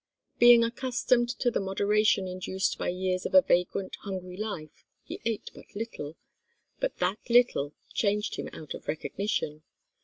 Being accustomed to the moderation induced by years of a vagrant, hungry life, he ate but little, but that little changed him out of recognition.